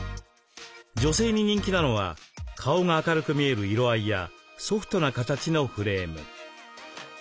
女性に人気なのは顔が明るく見える色合いやソフトな形のフレーム。